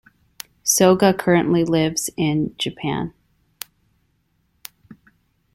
Soga currently lives in Japan.